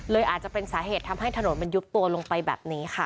อาจจะเป็นสาเหตุทำให้ถนนมันยุบตัวลงไปแบบนี้ค่ะ